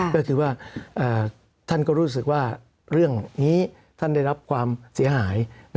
ก็คือว่าท่านก็รู้สึกว่าเรื่องนี้ท่านได้รับความเสียหาย